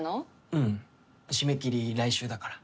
うん締め切り来週だから。